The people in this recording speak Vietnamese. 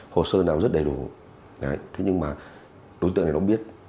hồ sơ nào rất đầy đủ thế nhưng mà đối tượng này nó biết